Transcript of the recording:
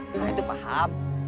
nah itu paham